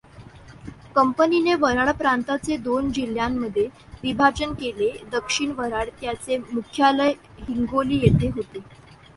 कंपनीने वऱ्हाड प्रांताचे दोन जिल्ह्यांमध्ये विभाजन केले दक्षिण वऱ्हाड त्याचे मुख्यालय हिंगोली येथे होते.